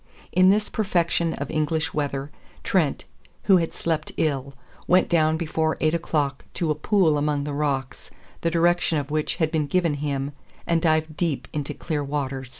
In this perfection of English weather, Trent, who had slept ill, went down before eight o'clock to a pool among the rocks, the direction of which had been given him, and dived deep into clear water.